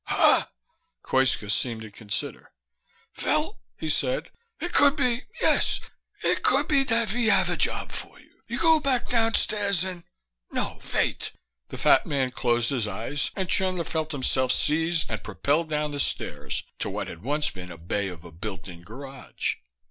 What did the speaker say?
"Hah." Koitska seemed to consider. "Vel," he said, "it could be ... yes, it could be dat ve have a job for you. You go back downstairs and no, vait." The fat man closed his eyes and Chandler felt himself seized and propelled down the stairs to what had once been a bay of a built in garage.